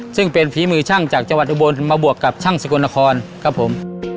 ซึ่งเป็นฝีมือช่างจากจังหวัดอุบลมาบวกกับช่างสกลนครครับผม